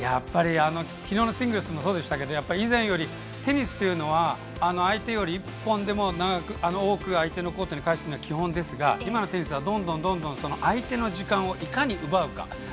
昨日のシングルスもそうでしたけどテニスというのは相手より１本でも多く相手のコートに返すのが基本ですが、今のテニスはどんどん相手の時間をいかに奪うか。